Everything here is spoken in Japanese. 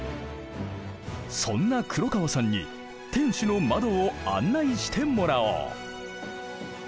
そんな黒川さんに天守の窓を案内してもらおう。